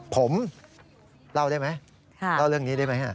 ผมเล่าได้ไหมเล่าเรื่องนี้ได้ไหมฮะ